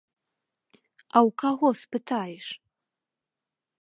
А ў каго спытаеш?